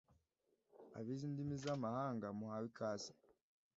abize indimi z'amahanga muhawe ikaze